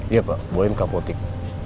iya pak boim kapotik